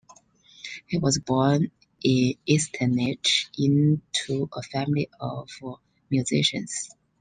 He was born in Eisenach, into a family of musicians.